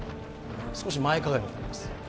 少し前かがみになります。